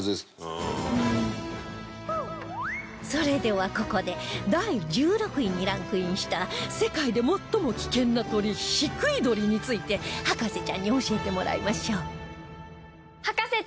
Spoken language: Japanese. それではここで第１６位にランクインした世界で最も危険な鳥ヒクイドリについて博士ちゃんに教えてもらいましょう